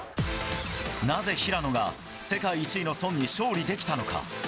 なぜ平野が世界１位の孫に勝利できたのか。